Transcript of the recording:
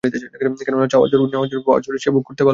কেননা, চাওয়ার জোর, নেওয়ার জোর, পাওয়ার জোর সে ভোগ করতে ভালোবাসে।